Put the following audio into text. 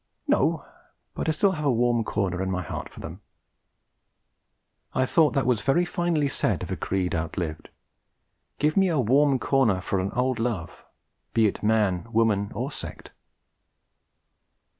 'No; but I still have a warm corner in my heart for them.' I thought that very finely said of a creed outlived. Give me a warm corner for an old love, be it man, woman, or sect!